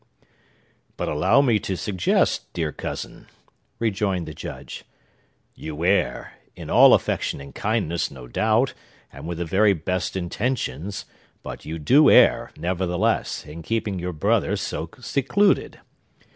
"But allow me to suggest, dear cousin," rejoined the Judge, "you err,—in all affection and kindness, no doubt, and with the very best intentions,—but you do err, nevertheless, in keeping your brother so secluded.